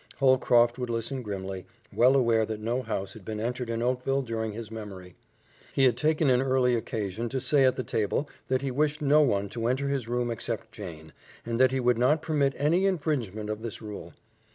Holcroft would listen grimly, well aware that no house had been entered in Oakville during his memory. He had taken an early occasion to say at the table that he wished no one to enter his room except Jane, and that he would not permit any infringement of this rule.